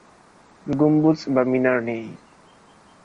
গম্বুজ বা মিনার নেই।